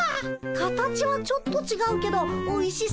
形はちょっとちがうけどおいしそうなプリン！